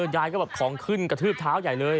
ยายก็แบบของขึ้นกระทืบเท้าใหญ่เลย